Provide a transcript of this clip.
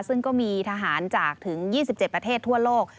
ซึ่งก็มีทหารจากถึง๒๗ประเทศทั่วโลก